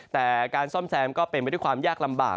แต่การซ่อมแซมก็เป็นไปด้วยความยากลำบาก